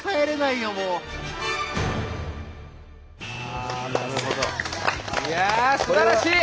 いやあすばらしい！